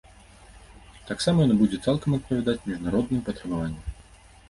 Таксама яно будзе цалкам адпавядаць міжнародным патрабаванням.